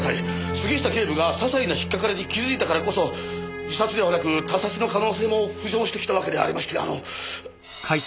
杉下警部がささいな引っかかりに気づいたからこそ自殺ではなく他殺の可能性も浮上してきたわけでありましてあの。